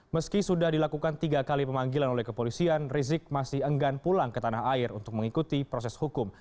meski sudah dilakukan tiga kali pemanggilan oleh kepolisian rizik masih enggan pulang ke tanah air untuk mengikuti proses hukum